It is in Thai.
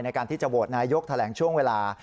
ในการที่จะโหวตนายกแถลงช่วงเวลา